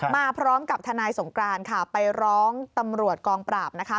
มาพร้อมกับทนายสงกรานค่ะไปร้องตำรวจกองปราบนะคะ